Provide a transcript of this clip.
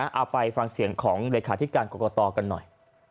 เอาไปฟังเสียงของเลขาธิการกรกตกันหน่อย